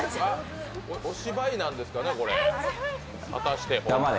お芝居なんですかね、これ果たしてホントに。